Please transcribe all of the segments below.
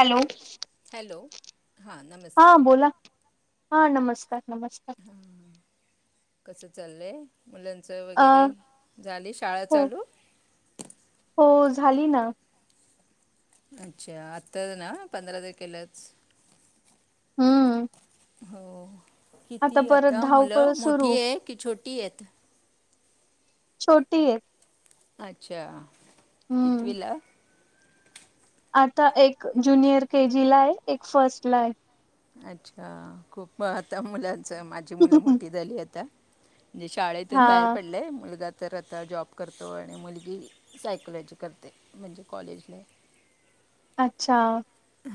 Hello hello हा हा नमस्कार बोला हा नमस्कार नमस्कार कस चाललंय. मुलांचं अ वगैरे झाली शाळा हो चालू. हो झाली ना. अच्छा आत्ता ना पंधरा तर केलंच हम्म हो किती परत आता मुलं धावपळ मोठी सुरू आहे की छोटी आहेत छोटी आहे अच्छा कती हम्म वला आता एक जुनियर के जी ला आहे एक फर्स्ट ला आहे अच्छा खूप आता मुलांच माझी मुलं मोठी झाली आता म्हणजे शाळेतून हा बाहेर पडलेय मुलगा तर आता जॉब करतो आणि मुलगी सायकोलॉजी करते म्हणजे कॉलेजने [unintelligible] अच्छा.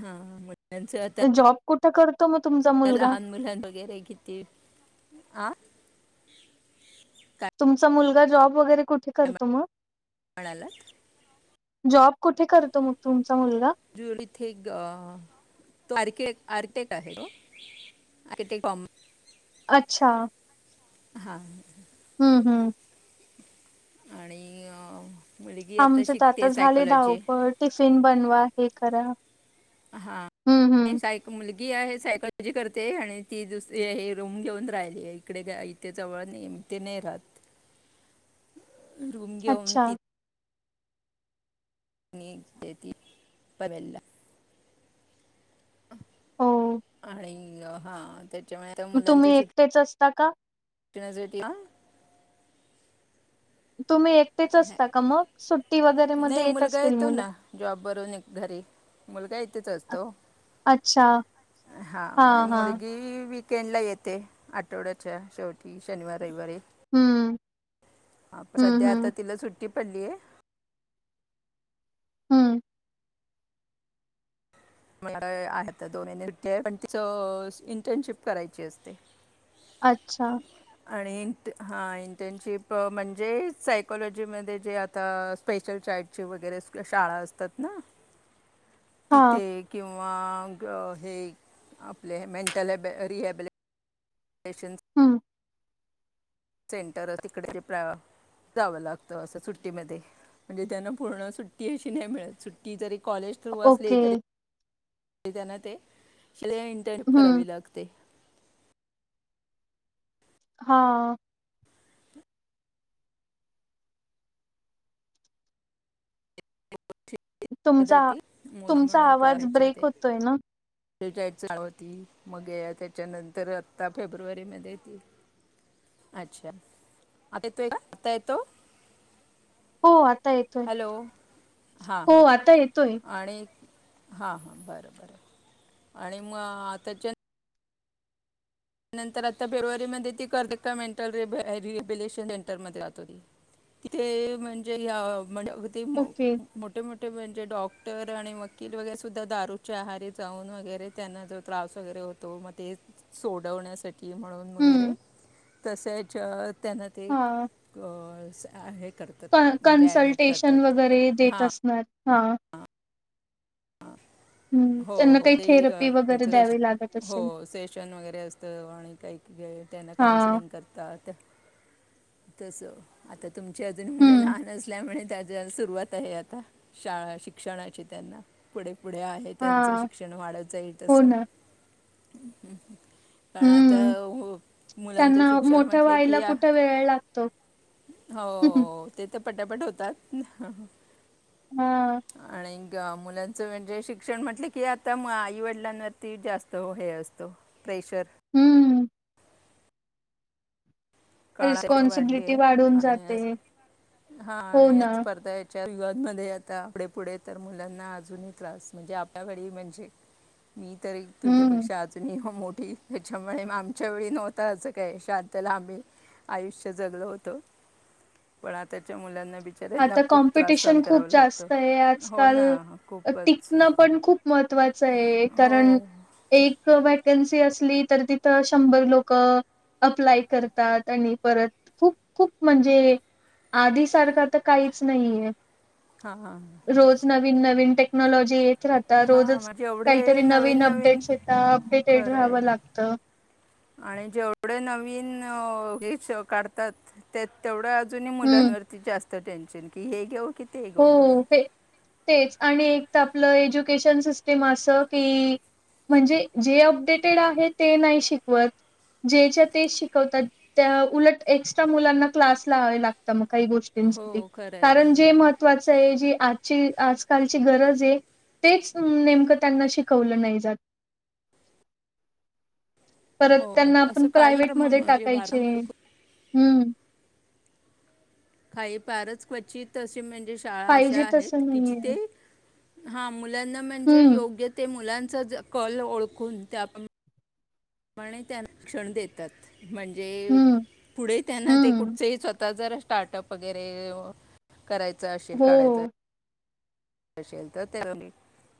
हा म त्यांचं त्या कुठं कर. लहान मुलंनं वगैरे किती अ तुमचा मुलगा जॉब वगैरे कुठे करतो म म्हणाला. जॉब कुठे करतो मग तुम्. ज इथे एक अ तारखे. आर्टेट आहे होॉ. अच्छा. हा. हम्म हम्म. आणि अ. मुलगी आमचे त आता शिकते झाले सायकोलॉजी धावपळ टिफिन बनवा हे करा. हा हम्म हम्म मु. ी आहे सायकॉलॉजी करते आणि ती दुसरी हे रूम घेऊन राहिली इकडे इथे जवळ नेहमी. तेने राहात रूम घेऊन अच्छा त. नी देती परबला. हो आणि हा त्या. ग तुम्ही एकटेच असता का. झटया. तुम्ही एकटेच असता का मग? सुट्टी वगैरे मध्ये नाही येत मुलगा असतील येतो मुलं. ना जॉबवररून घरी. मुलगा इथेच असतो. अच्छा. हा आणि मुलगी. केेणला येते आठवड्याच्या शेवटी शनिवार रविवारी. हम्म. ह हम्म सध्या आता हम्म. तिला सुट्टी पडलीय. हम्म. मता दोन् पण तिच इंटर्नशिप करायची असते. अच्छा. आणि इंट हां इंटर्नशिप म्हणजे सायकॉोलॉजीमध्ये जे आता स्पेशल. शईडची वगैरे शाळा असतात ना हा. तिथे. किंवा हे आपले मेंटलब रिहेॅबिली. लाशनस. हम्म. सेंटर तिकडे ते प्रा. जावं लागतं असं सुट्टीमध्ये म्हणजे त्यांना पूर्ण सुट्टी अशी नाही मिळत सुट्टी जरी. कॉलेज थ्रू असले ओके. तरी त्यांना ते. इंटर्नशिप हम्म. करावी लागते. हा. तुमचा होती मोना तुमचा आवाज ब्रेक होतोय ना. रिटायर चालू होती मग त्याच्यानंतर आत्ता फेब्रुवारीमध्ये ती. अच्छा आता येतोय का आता येतो. हो. येतोय. हॅलो हां हो हां आता येतोय. आणि.. हा हां बरं बरं आणि मग आताच्या. त्यानंतर आता फेब्रुवारीमध्ये ती कर्तक्का मेंटल रिहेबिलेशन सेंटरमध्ये जात होती. तिथे म्हणजे ओके. मोठे मोठे म्हणजे डॉक्. र आणि वकील वगैरे सुद्धा दारूच्या आहारी जाऊन वगैरे त्यांना जो त्रास वगैरे होतो मग ते. सोडवण्यासाठी म्हणून वगैरे हम्म. तसेच. त्यांना ते हा. हे. करतात म्हणजे ॲडमिट कन्सल्टेशन वगैरे करतात देत हां असणार. हा ह् हो त्यांना हो काही ते एक, अ, थेरपी वगैरे त्यांचं सेशन द्यावी लागेल हो सेशन वगैरे असत आणि काही त्यांना हा. काउन्सिलिंग करतात. [inaudible] तस आता तुमची अजून मुलं हम्म. लहान असल्यामुळे त्याच्या सुरुवात आहे आता शाळा शिक्षणाचे त्यांना पुढे पुढे. त्यांचं हा. शिक्षण वाढत जाईल हो अससं ना. पण आता हं, मुलांचं त्यांना शिक्षण मोठं म्हटलं व्हायला की. कुठं वेळ लागतो. हो ते तर पटापट होतात. हम्. आणि मुलांचं म्हणजे शिक्षण. शिकण म्हटल की आता आईवडिलांवरती जास्त हे असतो प्रेशर. हम्म. काळा वाढली रिस्पॉन्सिबिलिटी आहे वाढून आणि जाते. हा हो आणि ना. स्पर्धा. या युगामध्ये आता पुढे पुढे तर मुलांना अजूनही त्रास म्हणजे आपल्या वेळी म्हणजे. मी तर हं, तुझ्यापेक्षा अजूनही मोठ. त्याच्यामुळे आमच्या वेळी नव्हता असं काय शतला आम्ही. आयुष्य जगलं होत पण आताच्या मुलांना. बिचाऱ्यांना आता खूप त्रास सहन कॉम्पिटिशन खूप करावा लागतो जास्त आहे हो आजकाल ना खूपच टिकणं पण खूप महत्त्वाच. महत्त्वाचा आहे हो कारण एक वेकेन्सी असते. असली तर तिथे शंभर लोक. अप्लाय करतात आणि परत खूप खूप म्हणजे आधी सारखा तर. काहीच नाहीये. हा. नवी नवीन टेक्नॉलॉजी. येत राहतात हां, रोजच म्हणजे काहीतरी एवढे नवीन अपडेट अपडेटेड खरं राहावं आहे लागत आणि जेवढे नवीन. हे काढतात ते तेवढं अजूनही हम्म मुलांवरती जास्त. टेन्शन कि हे घेऊ की ते हो घेऊ म्हणून. ते तेच आणि एक तर आपलं एज्युकेशन सिस्टीम अस की. म्हणजे जे अपडेटेड आहे ते नाही शिकवत. ज्याच्या ते शिकवतात त्या उलट एक्स्ट्रा मुलांना क्लास लाहावे लागत मग. काही गोष्टींसाठी हो खरं आहे कारण जे महत्त्वाचं आहे जी आजची आजकालची गरज आहे. तेच नेमकं त्यांना शिकवलं नाही जात [inaudible] परत हो त्यांना आपण असं काही फार प्रायव्ट म- मध्ये म्हणजे टाकायचे भारतामध्ये खूप- हम्म. काही फारच क्वचित अ म्हणजे शाळा अशा पाहिजे आहेत तसं की नाहीये. जिथे हा. मुलांना म्हणजे हम्म, योग्य ते मुलांचा कल ओळखून त्या. म्हणे त्या शिक्षण देतात. म्हणजे हम्म, पुढे त्यांना ते हम्म. कुठचंही स्वतः जर. स्टार्टअप वगैरे करायचं असेल हो, काढायचं. असेल तर.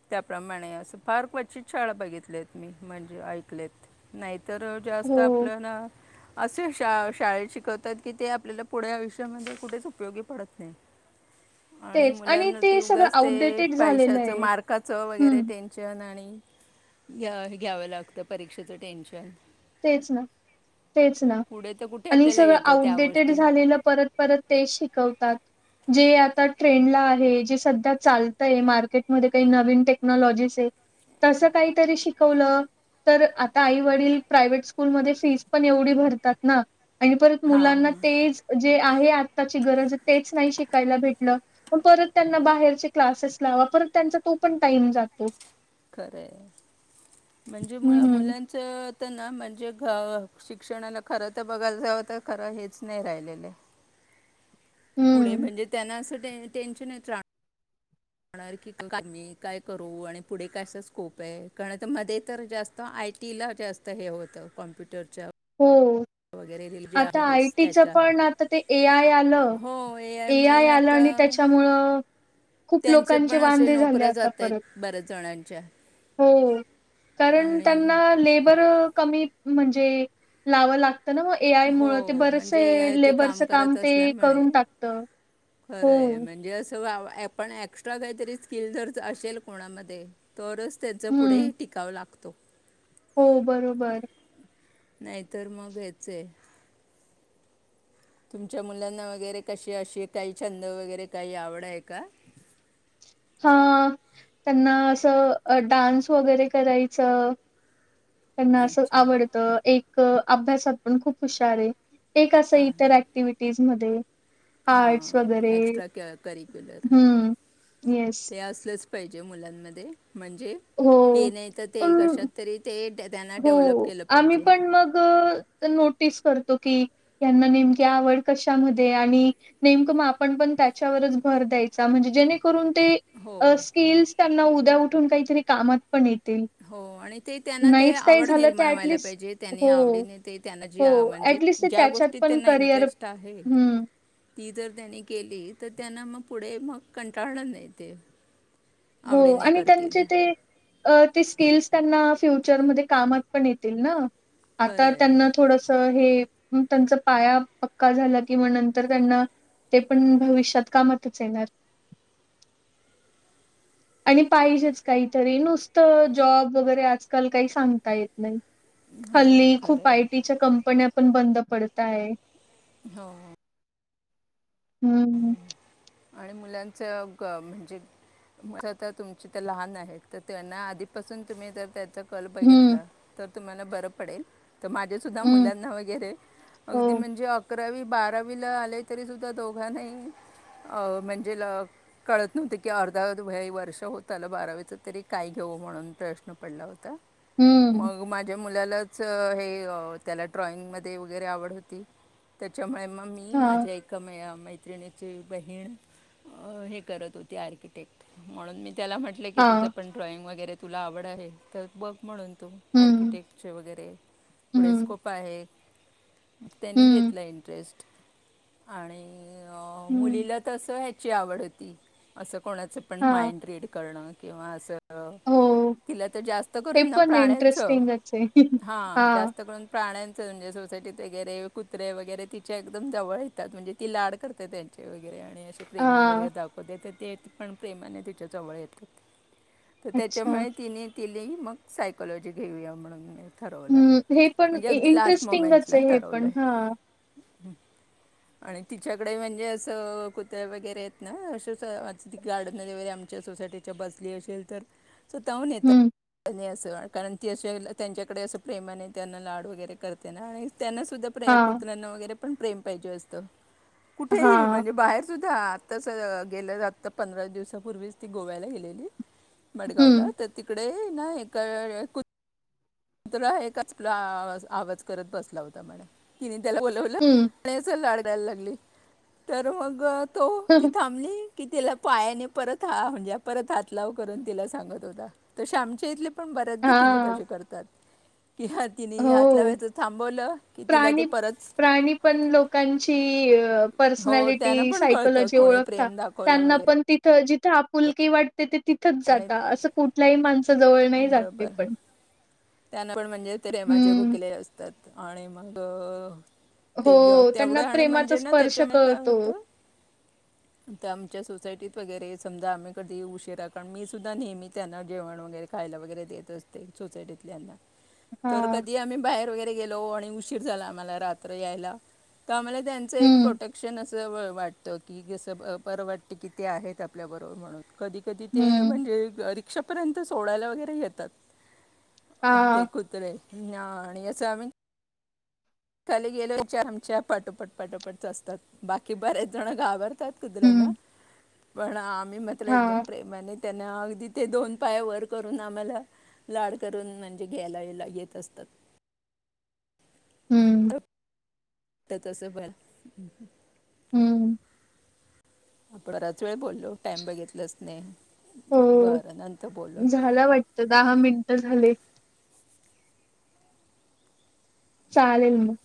त्याप्रमाणे असं फार क्वचित शाळा बघितल्यात मी म्हणजे ऐकलेत नाही. तर जास्त हो. आपल्याला. असे शा शाळेत शिकवतात की ते आपल्याला पुढे आयुष्यामध्ये कुठेच उपयोगी पडत नाही. तेच आणि मुलांना ते ती सगळं. उगाच ते आउटडेटेड झालेलं पैशाचं आहे. मार्काचं वगैरे हम्म, टेन्शन आणि आणि घ्या घ्यावं लागतं परीक्षेचं टेन्शन. तेच ना तेच ना. पुढे तर कुठे आणि आपल्याला सगळं येतं त्या आउटडेटेड गोष्टी झालेलं परत परत तेच शिकवतात जे आता ट्रेंडला आहे जे सध्या चालतय मार्केटमध्ये काही नवीन टेक्नॉलॉजीस आहे तस काहीतरी शिकवलं तर आता आई वडील प्रायव्हेट स्कूलमध्ये फीस पण एवढी भरतात ना आणि परत हां मुलांना तेज जे आहे. श भ त्यां बाहे क्. पणाम जातो. खरं म्हणजे मु हम्म मुलांच. ना म्हणजे शिक्षणाला खरं तर बघायला जावं तर खरं हेच नाही राहिलेले. पुणे हम्म म्हणजे त्यांना असं टेन्शन आहे राहणार. मी काय करू आणि पुढे क स्कोप आहे कारण मध्ये तर जास्त आयटी. ति जास्त हे होत कॉम्प्युटरच्या. हो. वगैरे जे आता आहेत आय टीच त्याच्या पण आता ते ए आय आलं हो ए आयमुळे आय आलं आता आणि. त्याच्यामुळं. खूप त्यांचे लोकांचे पण असे वांदे झाले नोकऱ्या आता जात परत. आहेत बऱ्याच जणांच्या. हो. कारण आणि त्यांना लेबर कमी म्हणजे लावं लागत. ना मग ए आय मुळ ते हो म्हणजे बरेचसे ए आय ते लेबरचं काम ते करून टाकत. खरंय म्हणजे असं आपण एक्स्ट्रा काहीतरी स्किल जर असेल कोणामध्ये. तरच त्यांचां पुढेही हम्म. टिकाव लागतो. हो बरोबर. नाहीतर मग घ्यायचय. तुमच्या मुलांना वगैरे कशी अशी काही छंद वगैरे काही आवड आहे का. [inaudible] हा त्यांना असं डान्स वगैरे करायचं. त्यांना असं अच्छा आवडतं एक अभ्यासात पण खूप हुशार आहे. एक अस इतर ऍक्टिव्हटीज मध्ये. हा एक््रािक्युलर हम्म. येस. अस. पाहिजे मुलांमध्ये म्हणजे हो. हे नाही तर ते पण कशात तरी ते डेथ. हो आम्ही पण मग नोटीस. क नेम आवड कशा आणि नेम मग आपण पण त्याच्यावर. म्हण ज हो उ्या काही काम. हो आणि ते त्यांना त्या. काही आवड झालं तर निर्माण व्हायला ॲटलीस्ट पाहिजे त्यांनी हो, आवडीने ते त्यांना जी हो. म्हणजे ॲटलीस्ट ते ज्या त्याच्यात गोष्टीत पण त्यांना करिअर इंटरेस्ट. त्यां हं. केली. त्यांना मग पुढे मग कंटाळलं नाही ते. हो आवडीने आणि करतील त्यांचे ते. अ ते स्किल्स त्यांना फ्युचरमध्ये कामात पण येतील ना. खरं आता त्यांना आहे थोडस हे. त्यांचा पाया पक्का झाला कि म नंतर त्यांना. ते पण भविष्यात कामतच येणार [inaudible] आणि पाहिजेच काहीतरी नुसत जॉब वगैरे आजकाल काही सांगता येत नाही हो हल्ली खरं खूप आहे आयटीच्या कंपन्या पण बंद पडत आहे हो हम्म आणि मुलांच म्हणजे तर तुमचे तर लहान आहेत तर त्यांना आधीपासून तुम्ही ज त्याच कल हम्म. बघितला तर तुम्हाला बरं पडेल तर माझ्या सुद्धा हम्म. मुलांना वगैरे हो. अगदी म्हणजे. अकरावी बारावीला आले तरी सुद्धा दोघा नाही. अ म्हणजे कळत नव्हते की अर्धा वर्ष होतलं बारावीच तरी काय घेऊ. हो म्हणून प्रश्न पडला होता हम्म. मग माझे. मुलाच हे त्याला ड्रॉइंगमध्ये वगैरे आवड होती त्याच्यामुळे. मग मी हां. माझ्या एका मैत्रिणी. बहीण हे करत होती आर्किटेक्ट म्हणून मी. त्याला म्हटले की हां. तुझं पण ड्रॉइंग वगैरे तुला आवड आहे तर बघ म्हणून तू हम्म. आर्किटेक्चेर वगैरे पुढे हम्म. स्कोप आहे म त्यांनी हम्म. घेतलं इंटरेस्ट आणि हम्म. मुलीला तर असं ह्याची आवड होती असं कोणाचं पण हां. माइंड रीड करणं किंवा असं हो. तिला तर जास्त हे करून ना पण प्राण्यांचं इंटरेस्टिंगच आहे. हा जास्त करून प्राण्या म्हणजे सोसायटीत वगैर कुत्रे वगैरे तिच्या एकदम जवळ येतात म्हणजे ती लाड करते त्यां चे वगैरे आणि असे प्रेम वगैरे हा. दाखवतेेत ते पण प्रेमाने तिच्या जवळ येतात तर अच्छा. त्याच्यामुळे तिने तिली मग सायकॉोलॉजी घेऊया म्हणून ठरवलं हम्म हे पण म्हणजे अगदी लास्ट इंटरेस्टिंगच मोमेंटला आहे हे ठरवलं पण आहे हा आणि तिच्याकडे म्हणजे कुत्या वगैरे आहेत ना अ गार्डनमध्ये वगैरे आमच्या सोसायटीच्या बसली असेल तर सो तहून नेतता हं. कारण ती असे त्यांच्याकडे असं प्रेमाने त्यांना लाड वगैरे करते ना आणि त्यांना सुद्धा प्रे हां. कुत्र्यांना वगैरे पण प्रेम पाहिजे असतं कुठेही हां. बाहेर सुद्धा आताच गेलं आता पंधरा दिवसापूर्वीच ती गोव्याला गेलेली मडगावला हं. तर तिकडे ना एक कत्र एच आवाज करत बसला होता म्हणा ति त्याला हं. बोलावलंच लाड द्यायला लागली तर मग तो ती थांबली कि तिला पायाने परत हा म्हणजे परत हात लाव करून तिला सांगत होता तसे आमच्या इथले पण बऱ्याच दे तिले तज हां. करतात की हा तिने हात हो लावायचं थांबवलं की तिला ते प्राणी परत प्राणी पण लोकांची ओ हो त्यानं पण कळतं कोणी तथ प्रेम दाखवलं वगैरे आपुलकीे वाटते ते तिथंच आणि जात असं कुठल्याही माणसा जवळ नाही जाते बरोबर पण त्यांना पण म्हणजे ते रेमाचे हं. भुकले असतात आणि मग ते हो य- त्यांना तेवढं आणि प्रेमाचा म्हणजे स्पर्श कळतो आता आमच्या सोसायटीत वगैरे समजा आम्ही कधी उशिरा कारण मी सुद्धा नेहमी त्यांना जेवण वगैरे खायला वगैरे देत असते सोसायटीत हां. कधी आम्ही बाहेर वगरे गेलो उशीर झा आ्हाला्र या्हा त्यांच एक हं. प्रोटेशन असं वाटतं की जसं ब परं वाटतें की ते आहेत आपल्याबरोबर म्हणून कधी कधी ते हं. म्हणजे रिक्षापर्यंत सोडायला वगैरे येतात हा अ ते कुत्रे आणि असं आम्ही खाली गेले आमच्या पाठोपठ पाठोपठच असतात बाकी बरेच जण गावरात कुऱ्यांना हम्म पण आम्ही म तला हा एकदम प्रेमाने त्यांना अगदी ते दोन पाया वर करून आम्हाला लाड करून म्हणजे घ्यायला ला येत असतात [unintelligible] हम्म वाटतं पर हम्म आपणराच वेळ बोललो टाइम बघितलंच नाही हो बरं नंतर बोललो झाला वाटत दहा मिनिट झाले चालेल मग